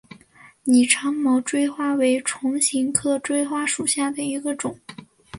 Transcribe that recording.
拟长毛锥花为唇形科锥花属下的一个种。